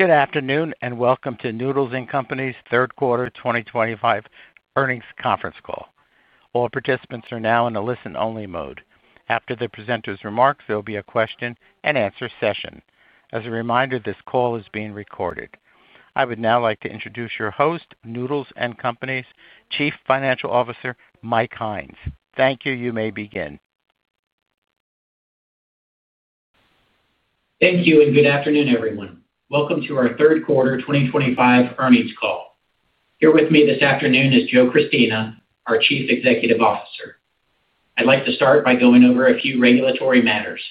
Good afternoon and welcome to Noodles & Company's third quarter 2025 earnings conference call. All participants are now in a listen-only mode. After the presenter's remarks, there will be a question-and-answer session. As a reminder, this call is being recorded. I would now like to introduce your host, Noodles & Company's Chief Financial Officer, Mike Hynes. Thank you. You may begin. Thank you and good afternoon, everyone. Welcome to our third quarter 2025 earnings call. Here with me this afternoon is Joe Christina, our Chief Executive Officer. I'd like to start by going over a few regulatory matters.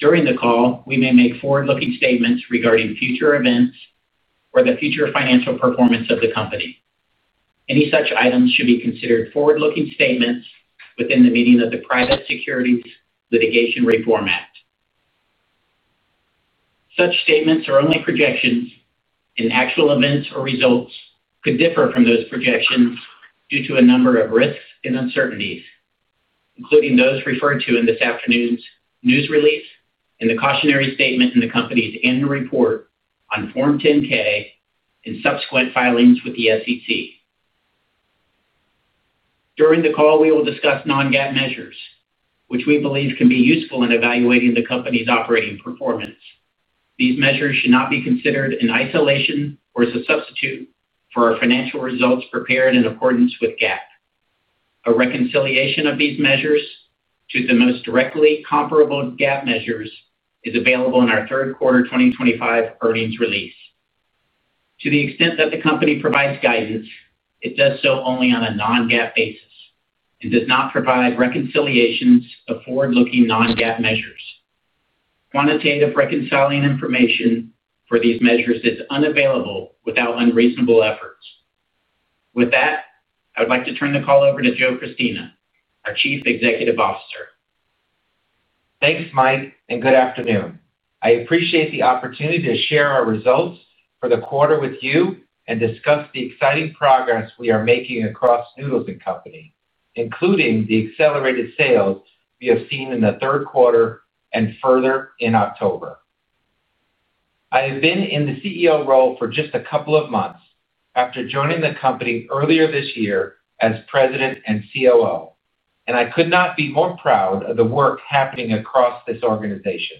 During the call, we may make forward-looking statements regarding future events or the future financial performance of the company. Any such items should be considered forward-looking statements within the meaning of the Private Securities Litigation Reform Act. Such statements are only projections, and actual events or results could differ from those projections due to a number of risks and uncertainties, including those referred to in this afternoon's news release and the cautionary statement in the company's annual report on Form 10-K and subsequent filings with the SEC. During the call, we will discuss non-GAAP measures, which we believe can be useful in evaluating the company's operating performance. These measures should not be considered in isolation or as a substitute for our financial results prepared in accordance with GAAP. A reconciliation of these measures to the most directly comparable GAAP measures is available in our third quarter 2025 earnings release. To the extent that the company provides guidance, it does so only on a non-GAAP basis and does not provide reconciliations of forward-looking non-GAAP measures. Quantitative reconciling information for these measures is unavailable without unreasonable efforts. With that, I would like to turn the call over to Joe Christina, our Chief Executive Officer. Thanks, Mike, and good afternoon. I appreciate the opportunity to share our results for the quarter with you and discuss the exciting progress we are making across Noodles & Company, including the accelerated sales we have seen in the third quarter and further in October. I have been in the CEO role for just a couple of months after joining the company earlier this year as President and COO, and I could not be more proud of the work happening across this organization.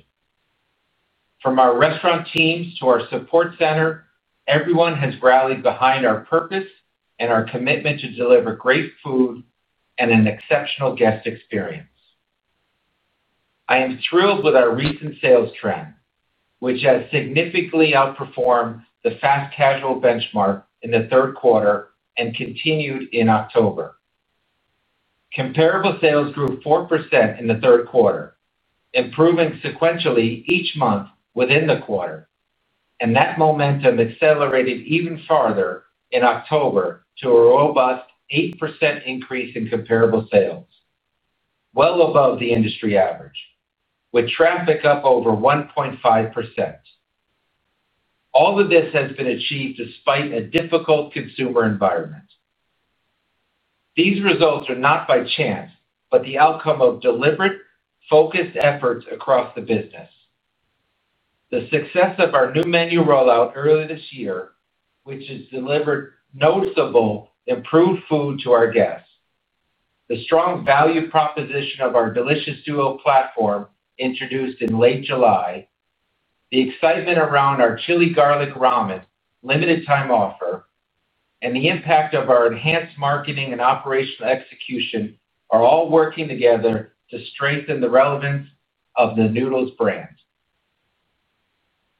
From our restaurant teams to our support center, everyone has rallied behind our purpose and our commitment to deliver great food and an exceptional guest experience. I am thrilled with our recent sales trend, which has significantly outperformed the fast casual benchmark in the third quarter and continued in October. Comparable sales grew 4% in the third quarter, improving sequentially each month within the quarter, and that momentum accelerated even farther in October to a robust 8% increase in comparable sales. This is well above the industry average, with traffic up over 1.5%. All of this has been achieved despite a difficult consumer environment. These results are not by chance, but the outcome of deliberate, focused efforts across the business. The success of our new menu rollout earlier this year, which has delivered noticeably improved food to our guests, the strong value proposition of our Delicious Duos platform introduced in late July, the excitement around our Chili Garlic Ramen limited-time offer, and the impact of our enhanced marketing and operational execution are all working together to strengthen the relevance of the Noodles & Company brand.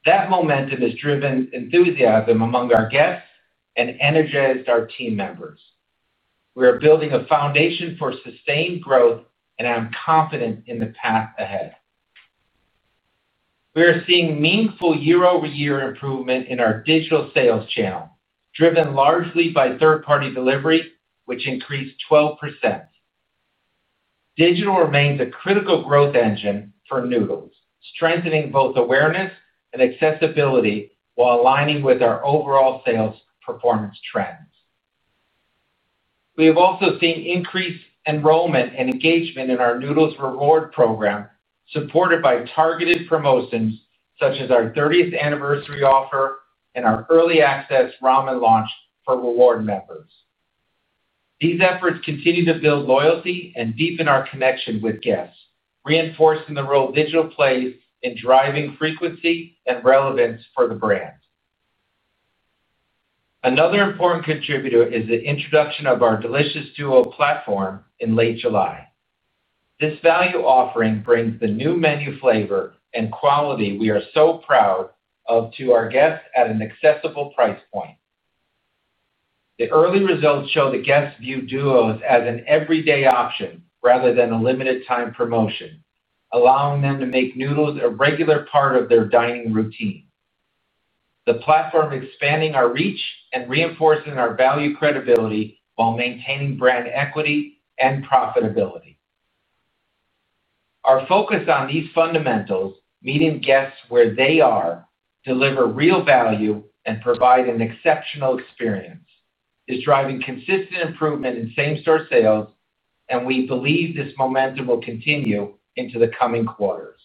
That momentum has driven enthusiasm among our guests and energized our team members. We are building a foundation for sustained growth, and I'm confident in the path ahead. We are seeing meaningful year-over-year improvement in our digital sales channel, driven largely by third-party delivery, which increased 12%. Digital remains a critical growth engine for Noodles, strengthening both awareness and accessibility while aligning with our overall sales performance trends. We have also seen increased enrollment and engagement in our Noodles Rewards program, supported by targeted promotions such as our 30th anniversary offer and our early access ramen launch for reward members. These efforts continue to build loyalty and deepen our connection with guests, reinforcing the role digital plays in driving frequency and relevance for the brand. Another important contributor is the introduction of our Delicious Duos platform in late July. This value offering brings the new menu flavor and quality we are so proud of to our guests at an accessible price point. The early results show that guests view duos as an everyday option rather than a limited-time promotion, allowing them to make noodles a regular part of their dining routine. The platform is expanding our reach and reinforcing our value credibility while maintaining brand equity and profitability. Our focus on these fundamentals—meeting guests where they are, delivering real value, and providing an exceptional experience—is driving consistent improvement in same-store sales, and we believe this momentum will continue into the coming quarters.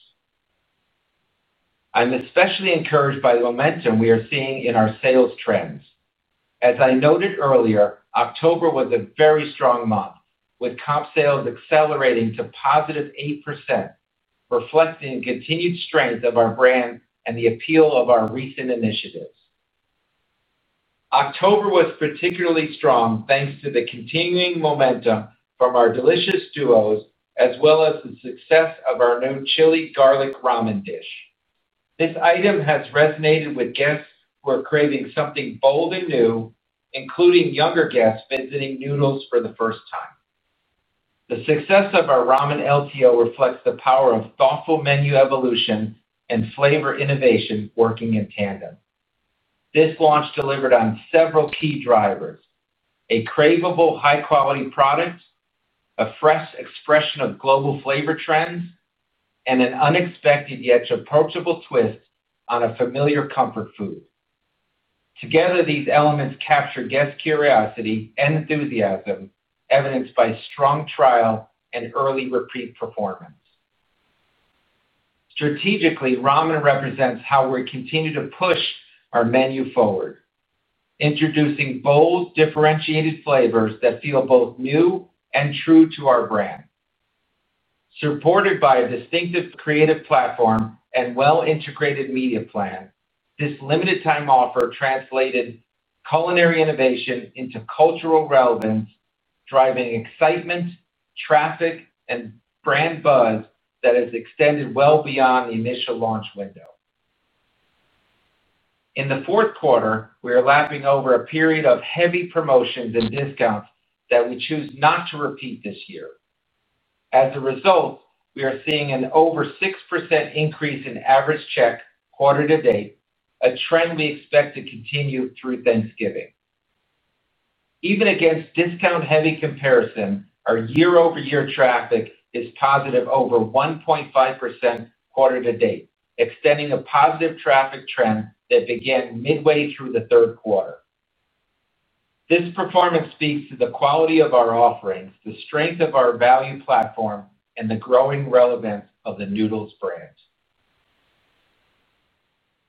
I'm especially encouraged by the momentum we are seeing in our sales trends. As I noted earlier, October was a very strong month, with comp sales accelerating to positive 8%. Reflecting continued strength of our brand and the appeal of our recent initiatives. October was particularly strong thanks to the continuing momentum from our Delicious Duos as well as the success of our new Chili Garlic Ramen dish. This item has resonated with guests who are craving something bold and new, including younger guests visiting Noodles for the first time. The success of our Ramen LTO reflects the power of thoughtful menu evolution and flavor innovation working in tandem. This launch delivered on several key drivers: a craveable high-quality product, a fresh expression of global flavor trends, and an unexpected yet approachable twist on a familiar comfort food. Together, these elements capture guest curiosity and enthusiasm, evidenced by strong trial and early repeat performance. Strategically, ramen represents how we continue to push our menu forward. Introducing bold, differentiated flavors that feel both new and true to our brand. Supported by a distinctive creative platform and well-integrated media plan, this limited-time offer translated culinary innovation into cultural relevance, driving excitement, traffic, and brand buzz that has extended well beyond the initial launch window. In the fourth quarter, we are lapping over a period of heavy promotions and discounts that we choose not to repeat this year. As a result, we are seeing an over 6% increase in average check quarter-to-date, a trend we expect to continue through Thanksgiving. Even against discount-heavy comparison, our year-over-year traffic is positive over 1.5% quarter-to-date, extending a positive traffic trend that began midway through the third quarter. This performance speaks to the quality of our offerings, the strength of our value platform, and the growing relevance of the Noodles brand.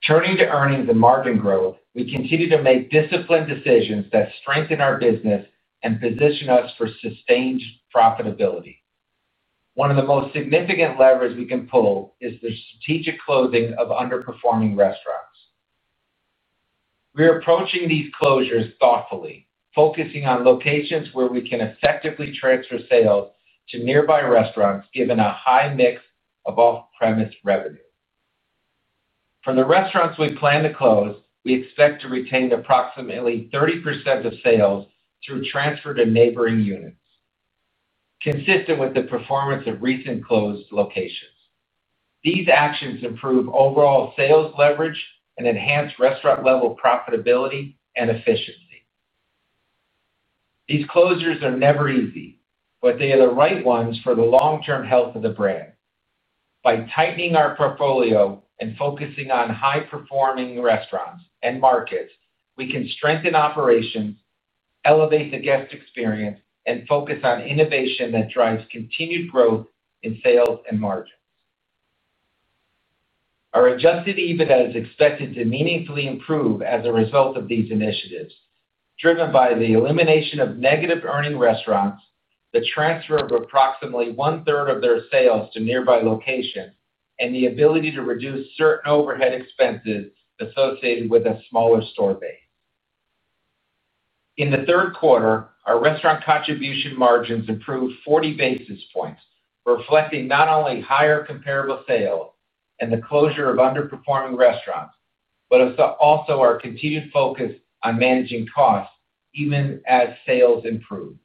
Turning to earnings and margin growth, we continue to make disciplined decisions that strengthen our business and position us for sustained profitability. One of the most significant levers we can pull is the strategic closing of underperforming restaurants. We are approaching these closures thoughtfully, focusing on locations where we can effectively transfer sales to nearby restaurants given a high mix of off-premise revenue. For the restaurants we plan to close, we expect to retain approximately 30% of sales through transfer to neighboring units, consistent with the performance of recent closed locations. These actions improve overall sales leverage and enhance restaurant-level profitability and efficiency. These closures are never easy, but they are the right ones for the long-term health of the brand. By tightening our portfolio and focusing on high-performing restaurants and markets, we can strengthen operations, elevate the guest experience, and focus on innovation that drives continued growth in sales and margins. Our adjusted EBITDA is expected to meaningfully improve as a result of these initiatives, driven by the elimination of negative earning restaurants, the transfer of approximately one-third of their sales to nearby locations, and the ability to reduce certain overhead expenses associated with a smaller store base. In the third quarter, our restaurant contribution margins improved 40 basis points, reflecting not only higher comparable sales and the closure of underperforming restaurants but also our continued focus on managing costs even as sales improved.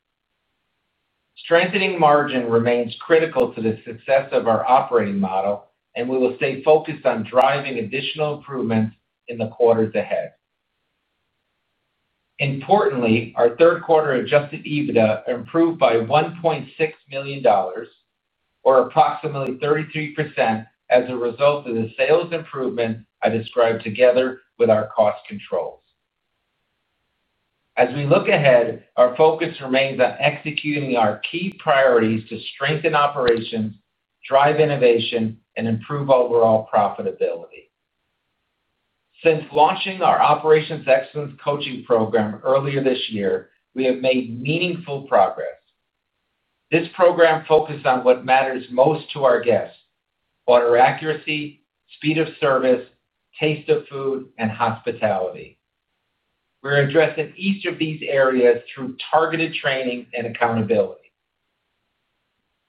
Strengthening margin remains critical to the success of our operating model, and we will stay focused on driving additional improvements in the quarters ahead. Importantly, our third-quarter adjusted EBITDA improved by $1.6 million, or approximately 33% as a result of the sales improvement I described together with our cost controls. As we look ahead, our focus remains on executing our key priorities to strengthen operations, drive innovation, and improve overall profitability. Since launching our Operations Excellence Coaching Program earlier this year, we have made meaningful progress. This program focused on what matters most to our guests: order accuracy, speed of service, taste of food, and hospitality. We're addressing each of these areas through targeted training and accountability.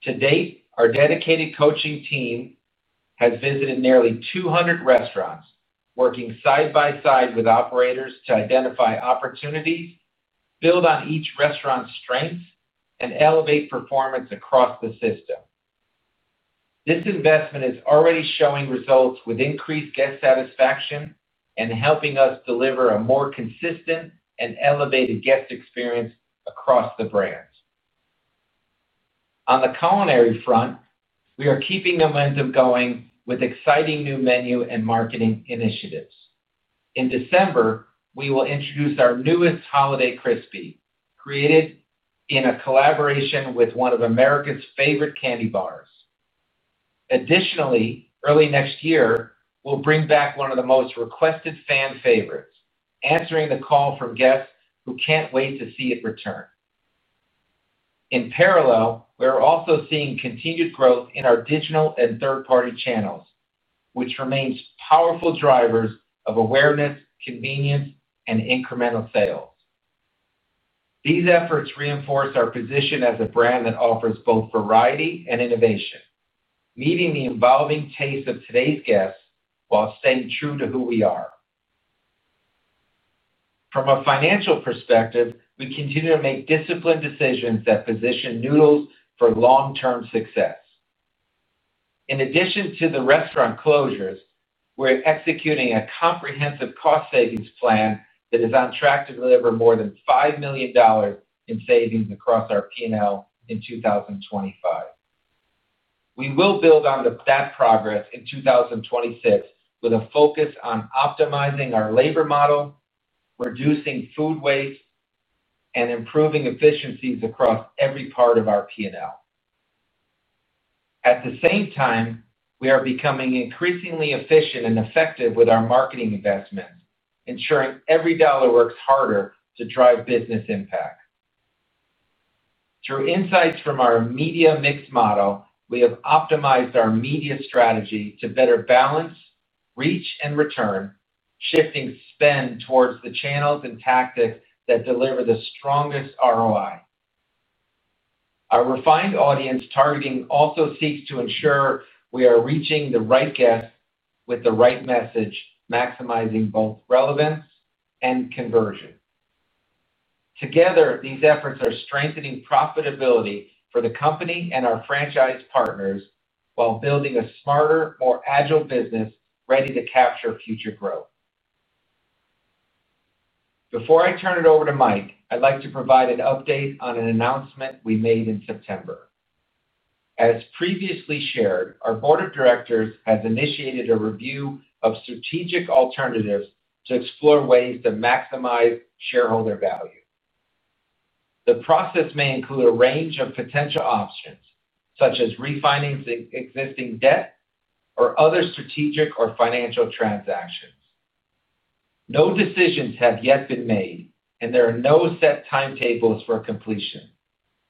To date, our dedicated coaching team has visited nearly 200 restaurants, working side by side with operators to identify opportunities, build on each restaurant's strengths, and elevate performance across the system. This investment is already showing results with increased guest satisfaction and helping us deliver a more consistent and elevated guest experience across the brands. On the culinary front, we are keeping the momentum going with exciting new menu and marketing initiatives. In December, we will introduce our newest Holiday Crispy, created in a collaboration with one of America's favorite candy bars. Additionally, early next year, we'll bring back one of the most requested fan favorites, answering the call from guests who can't wait to see it return. In parallel, we're also seeing continued growth in our digital and third-party channels, which remain powerful drivers of awareness, convenience, and incremental sales. These efforts reinforce our position as a brand that offers both variety and innovation, meeting the evolving tastes of today's guests while staying true to who we are. From a financial perspective, we continue to make disciplined decisions that position Noodles for long-term success. In addition to the restaurant closures, we're executing a comprehensive cost-savings plan that is on track to deliver more than $5 million in savings across our P&L in 2025. We will build on that progress in 2026 with a focus on optimizing our labor model, reducing food waste, and improving efficiencies across every part of our P&L. At the same time, we are becoming increasingly efficient and effective with our marketing investments, ensuring every dollar works harder to drive business impact. Through insights from our media mix model, we have optimized our media strategy to better balance reach and return, shifting spend towards the channels and tactics that deliver the strongest ROI. Our refined audience targeting also seeks to ensure we are reaching the right guests with the right message, maximizing both relevance and conversion. Together, these efforts are strengthening profitability for the company and our franchise partners while building a smarter, more agile business ready to capture future growth. Before I turn it over to Mike, I'd like to provide an update on an announcement we made in September. As previously shared, our board of directors has initiated a review of strategic alternatives to explore ways to maximize shareholder value. The process may include a range of potential options, such as refinancing existing debt or other strategic or financial transactions. No decisions have yet been made, and there are no set timetables for completion.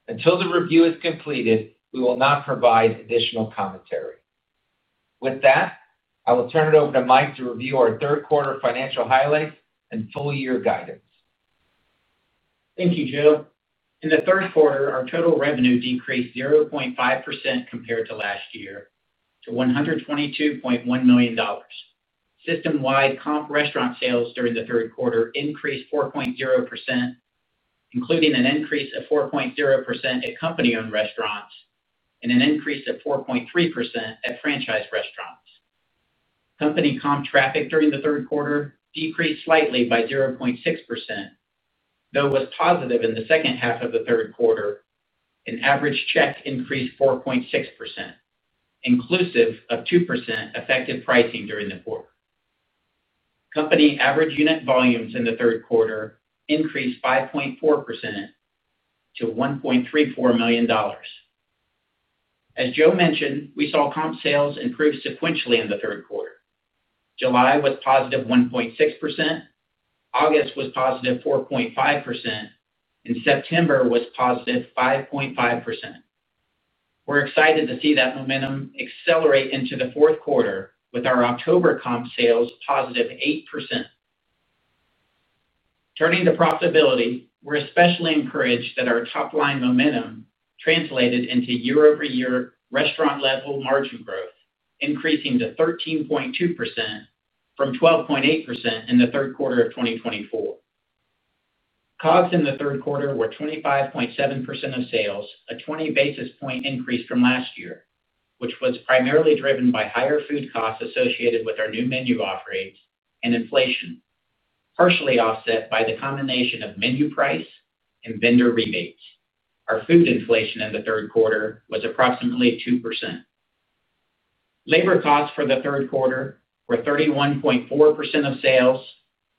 Until the review is completed, we will not provide additional commentary. With that, I will turn it over to Mike to review our third-quarter financial highlights and full-year guidance. Thank you, Joe. In the third quarter, our total revenue decreased 0.5% compared to last year to $122.1 million. System-wide comp restaurant sales during the third quarter increased 4.0%, including an increase of 4.0% at company-owned restaurants and an increase of 4.3% at franchise restaurants. Company comp traffic during the third quarter decreased slightly by 0.6%. Though it was positive in the second half of the third quarter, and average check increased 4.6%, inclusive of 2% effective pricing during the quarter. Company average unit volumes in the third quarter increased 5.4% to $1.34 million. As Joe mentioned, we saw comp sales improve sequentially in the third quarter. July was positive 1.6%, August was positive 4.5%, and September was positive 5.5%. We're excited to see that momentum accelerate into the fourth quarter with our October comp sales positive 8%. Turning to profitability, we're especially encouraged that our top-line momentum translated into year-over-year restaurant-level margin growth, increasing to 13.2% from 12.8% in the third quarter of 2024. COGS in the third quarter were 25.7% of sales, a 20 basis point increase from last year, which was primarily driven by higher food costs associated with our new menu offerings and inflation, partially offset by the combination of menu price and vendor rebates. Our food inflation in the third quarter was approximately 2%. Labor costs for the third quarter were 31.4% of sales,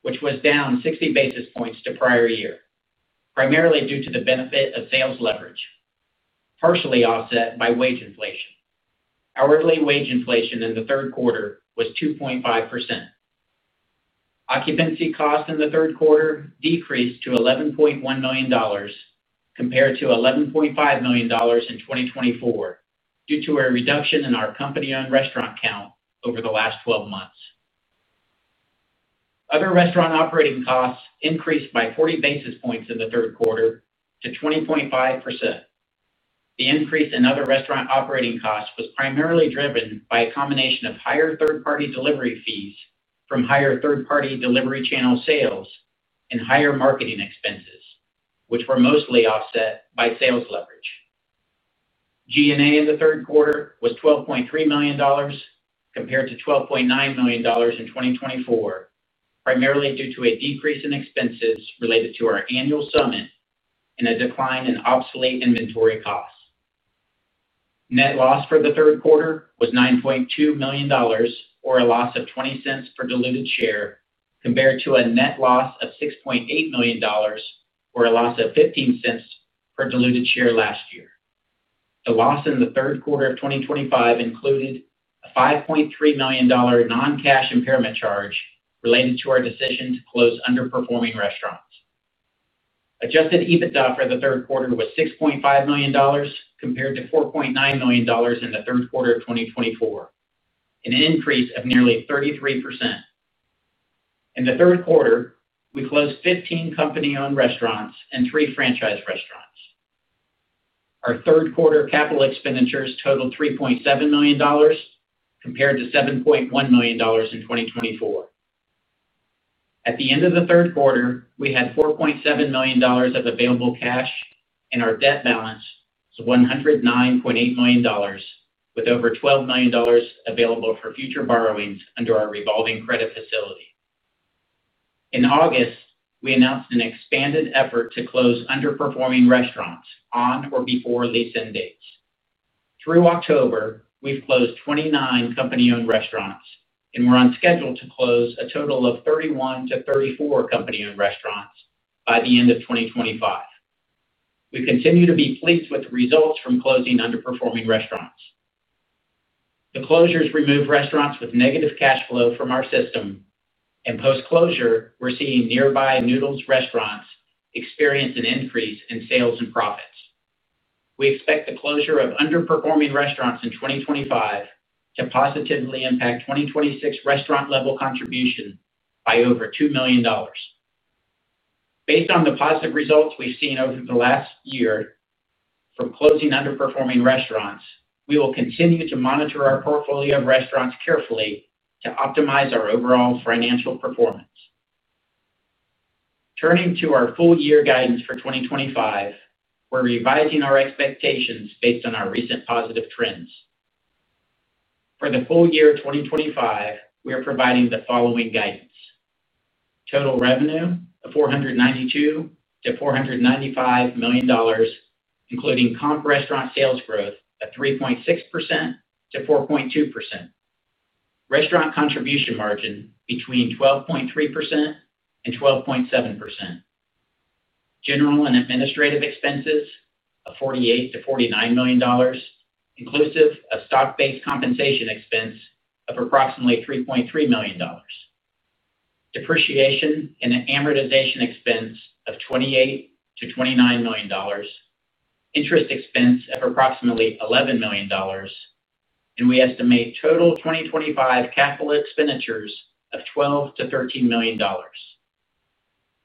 which was down 60 basis points to prior year, primarily due to the benefit of sales leverage, partially offset by wage inflation. Hourly wage inflation in the third quarter was 2.5%. Occupancy costs in the third quarter decreased to $11.1 million, compared to $11.5 million in 2024 due to a reduction in our company-owned restaurant count over the last 12 months. Other restaurant operating costs increased by 40 basis points in the third quarter to 20.5%. The increase in other restaurant operating costs was primarily driven by a combination of higher third-party delivery fees from higher third-party delivery channel sales and higher marketing expenses, which were mostly offset by sales leverage. G&A in the third quarter was $12.3 million, compared to $12.9 million in 2024, primarily due to a decrease in expenses related to our annual summit and a decline in obsolete inventory costs. Net loss for the third quarter was $9.2 million, or a loss of $0.20 per diluted share, compared to a net loss of $6.8 million, or a loss of $0.15 per diluted share last year. The loss in the third quarter of 2025 included a $5.3 million non-cash impairment charge related to our decision to close underperforming restaurants. Adjusted EBITDA for the third quarter was $6.5 million compared to $4.9 million in the third quarter of 2024. An increase of nearly 33%. In the third quarter, we closed 15 company-owned restaurants and 3 franchise restaurants. Our third-quarter capital expenditures totaled $3.7 million, compared to $7.1 million in 2024. At the end of the third quarter, we had $4.7 million of available cash, and our debt balance was $109.8 million, with over $12 million available for future borrowings under our revolving credit facility. In August, we announced an expanded effort to close underperforming restaurants on or before lease end dates. Through October, we have closed 29 company-owned restaurants, and we are on schedule to close a total of 31-34 company-owned restaurants by the end of 2025. We continue to be pleased with the results from closing underperforming restaurants. The closures removed restaurants with negative cash flow from our system, and post-closure, we are seeing nearby Noodles restaurants experience an increase in sales and profits. We expect the closure of underperforming restaurants in 2025 to positively impact 2026 restaurant-level contribution by over $2 million. Based on the positive results we've seen over the last year from closing underperforming restaurants, we will continue to monitor our portfolio of restaurants carefully to optimize our overall financial performance. Turning to our full-year guidance for 2025, we're revising our expectations based on our recent positive trends. For the full year 2025, we are providing the following guidance. Total revenue of $492-$495 million, including comp restaurant sales growth of 3.6%-4.2%. Restaurant contribution margin between 12.3%-12.7%. General and administrative expenses of $48-$49 million, inclusive of stock-based compensation expense of approximately $3.3 million. Depreciation and amortization expense of $28-$29 million. Interest expense of approximately $11 million. We estimate total 2025 capital expenditures of $12-$13 million.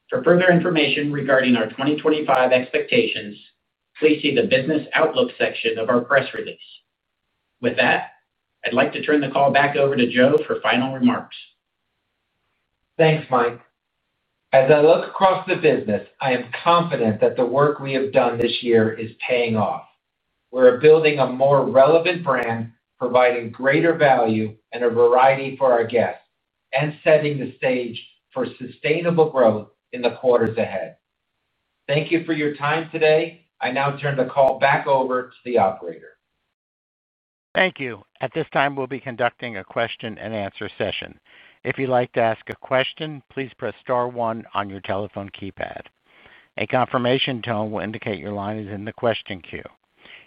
For further information regarding our 2025 expectations, please see the business outlook section of our press release. With that, I'd like to turn the call back over to Joe for final remarks. Thanks, Mike. As I look across the business, I am confident that the work we have done this year is paying off. We're building a more relevant brand, providing greater value and a variety for our guests, and setting the stage for sustainable growth in the quarters ahead. Thank you for your time today. I now turn the call back over to the operator. Thank you. At this time, we'll be conducting a question-and-answer session. If you'd like to ask a question, please press star one on your telephone keypad. A confirmation tone will indicate your line is in the question queue.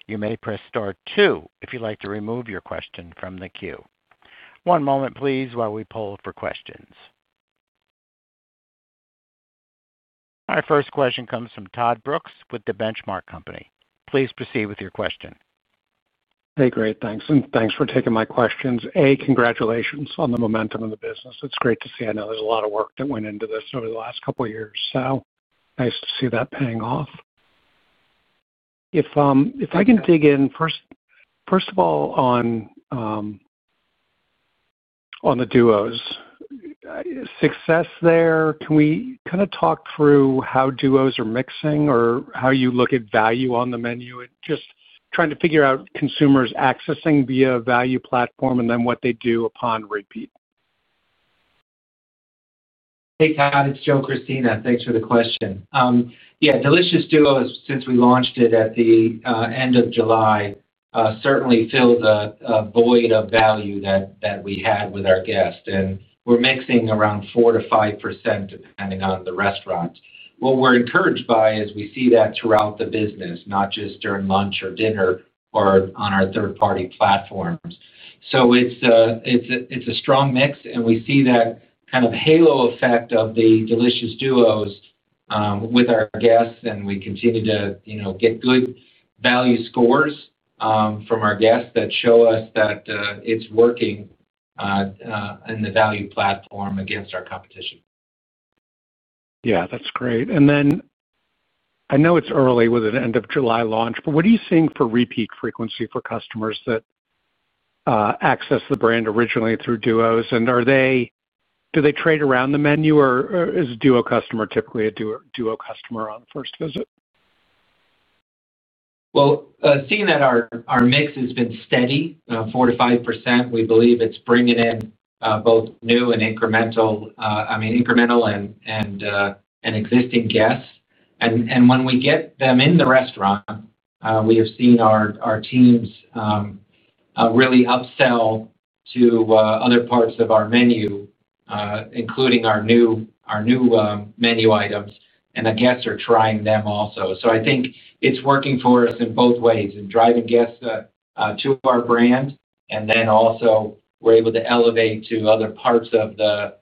You may press star two if you'd like to remove your question from the queue. One moment, please, while we poll for questions. Our first question comes from Todd Brooks with The Benchmark Company. Please proceed with your question. Hey, great. Thanks. And thanks for taking my questions. A, congratulations on the momentum in the business. It's great to see. I know there's a lot of work that went into this over the last couple of years, so nice to see that paying off. If I can dig in, first of all, on the Duos. Success there, can we kind of talk through how Duos are mixing or how you look at value on the menu and just trying to figure out consumers accessing via value platform and then what they do upon repeat? Hey, Todd, it's Joe Christina. Thanks for the question. Yeah, Delicious Duos, since we launched it at the end of July, certainly filled the void of value that we had with our guests. And we're mixing around 4-5%, depending on the restaurant. What we're encouraged by is we see that throughout the business, not just during lunch or dinner or on our third-party platforms. It is a strong mix, and we see that kind of halo effect of the Delicious Duos with our guests, and we continue to get good value scores from our guests that show us that it's working in the value platform against our competition. Yeah, that's great. I know it's early with an end-of-July launch, but what are you seeing for repeat frequency for customers that access the brand originally through Duos? Do they trade around the menu, or is a Duo customer typically a Duo customer on the first visit? Seeing that our mix has been steady, 4%-5%, we believe it's bringing in both new and incremental, I mean, incremental and existing guests. When we get them in the restaurant, we have seen our teams really upsell to other parts of our menu, including our new menu items, and the guests are trying them also. I think it's working for us in both ways and driving guests to our brand. We are also able to elevate to other parts of the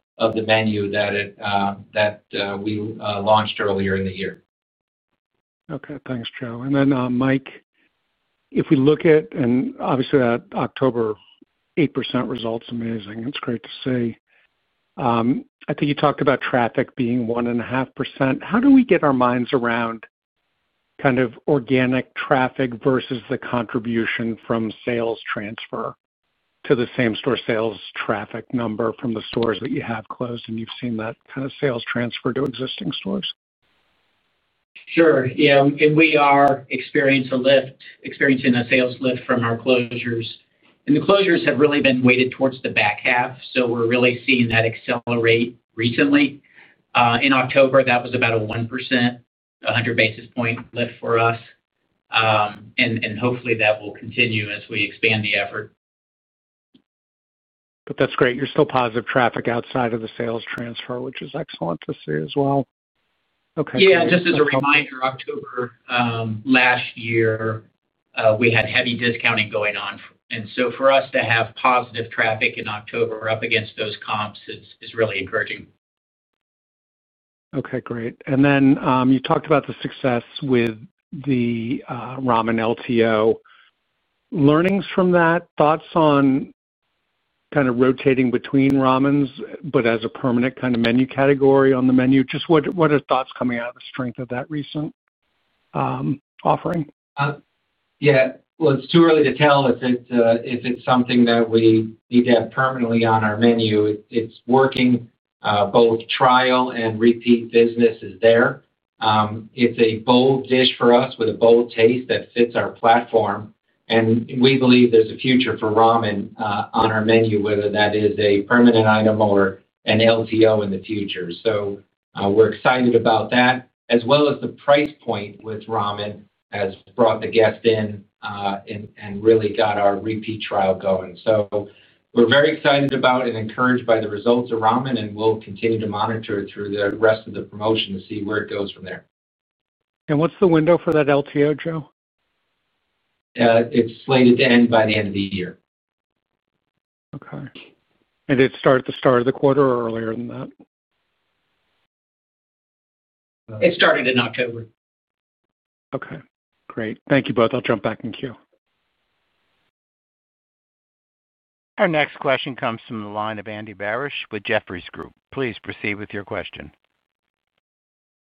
menu that we launched earlier in the year. Okay. Thanks, Joe. Mike, if we look at, and obviously, October, 8% results are amazing. It's great to see. I think you talked about traffic being 1.5%.How do we get our minds around kind of organic traffic versus the contribution from sales transfer to the same-store sales traffic number from the stores that you have closed and you've seen that kind of sales transfer to existing stores? Sure. Yeah. We are experiencing a sales lift from our closures. The closures have really been weighted towards the back half, so we're really seeing that accelerate recently. In October, that was about a 1%, 100 basis point lift for us. Hopefully, that will continue as we expand the effort. That's great. You're still positive traffic outside of the sales transfer, which is excellent to see as well. Okay. Yeah. Just as a reminder, October last year, we had heavy discounting going on. For us to have positive traffic in October up against those comps is really encouraging. Okay. Great. You talked about the success with the Ramen LTO. Learnings from that, thoughts on kind of rotating between ramens, but as a permanent kind of menu category on the menu? Just what are thoughts coming out of the strength of that recent offering? Yeah. It is too early to tell if it is something that we need to have permanently on our menu. It is working. Both trial and repeat business is there. It is a bold dish for us with a bold taste that fits our platform. We believe there is a future for ramen on our menu, whether that is a permanent item or an LTO in the future. We are excited about that, as well as the price point with ramen has brought the guests in. It really got our repeat trial going. We're very excited about and encouraged by the results of ramen, and we'll continue to monitor it through the rest of the promotion to see where it goes from there. What's the window for that LTO, Joe? It's slated to end by the end of the year. Okay. Did it start at the start of the quarter or earlier than that? It started in October. Okay. Great. Thank you both. I'll jump back in queue. Our next question comes from the line of Andy Barash with Jefferies. Please proceed with your question.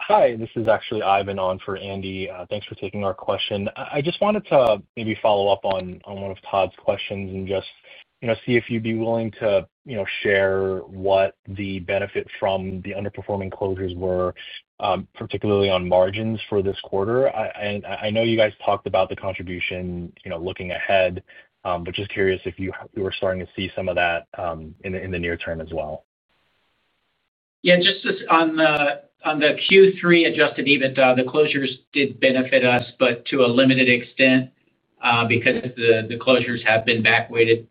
Hi. This is actually Ivan on for Andy. Thanks for taking our question. I just wanted to maybe follow up on one of Todd's questions and just see if you'd be willing to share what the benefit from the underperforming closures were, particularly on margins for this quarter. I know you guys talked about the contribution looking ahead, but just curious if you were starting to see some of that in the near term as well. Yeah. Just on the Q3 adjusted EBITDA, the closures did benefit us, but to a limited extent because the closures have been back-weighted,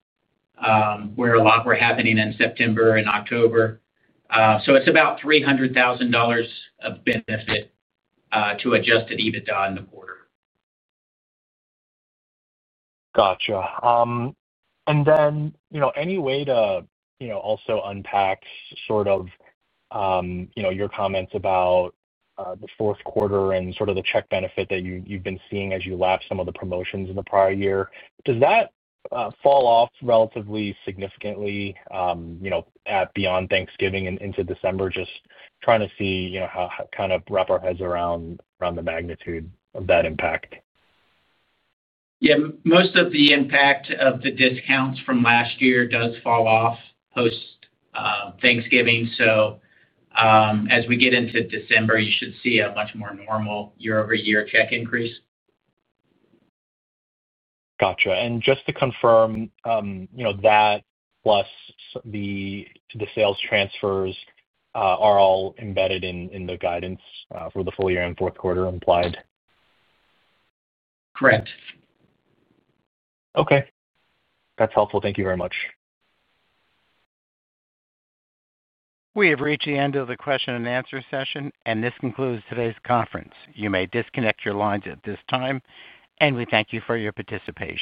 where a lot were happening in September and October. So it is about $300,000 of benefit to adjusted EBITDA in the quarter. Gotcha. Any way to also unpack sort of your comments about the fourth quarter and sort of the check benefit that you have been seeing as you left some of the promotions in the prior year? Does that fall off relatively significantly beyond Thanksgiving and into December? Just trying to see how to kind of wrap our heads around the magnitude of that impact. Yeah. Most of the impact of the discounts from last year does fall off post-Thanksgiving. As we get into December, you should see a much more normal year-over-year check increase. Gotcha. And just to confirm, that plus the sales transfers are all embedded in the guidance for the full year and fourth quarter implied? Correct. Okay. That's helpful. Thank you very much. We have reached the end of the question-and-answer session, and this concludes today's conference. You may disconnect your lines at this time, and we thank you for your participation.